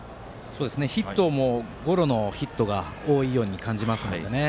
ヒットもゴロのヒットが多いように感じますので。